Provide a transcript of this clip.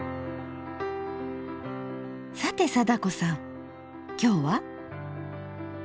さて貞子さん今日は？